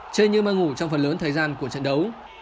chơi như mơ ngủ trong phần lớn thời gian của trận đấu